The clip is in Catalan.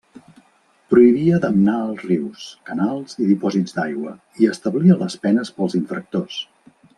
Prohibia damnar els rius, canals i dipòsits d'aigua i establia les penes pels infractors.